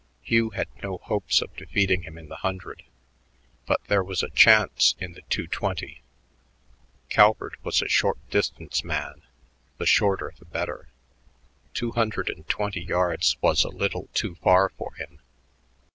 Hugh had no hopes of defeating him in the hundred, but there was a chance in the two twenty. Calvert was a short distance man, the shorter the better. Two hundred and twenty yards was a little too far for him.